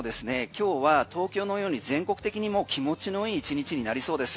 今日は東京のように全国的に気持ちのいい１日になりそうです。